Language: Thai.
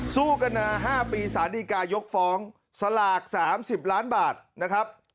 สู้กันมา๕ปีสารดีกายกฟ้องสลาก๓๐ล้านบาทนะครับ